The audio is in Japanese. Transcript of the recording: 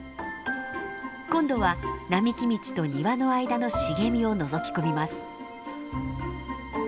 今度は並木道と庭の間の茂みをのぞき込みます。